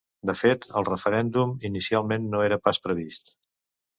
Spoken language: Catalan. De fet, el referèndum, inicialment no era pas previst.